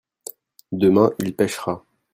demain il pêchera.